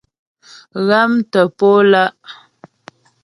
Ghámtə̀ po lá'.